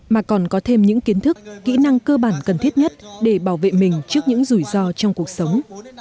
mà còn có thêm những kiến thức kỹ năng cơ bản cần thiết nhất để bảo vệ mình trước những rủi ro trong cuộc sống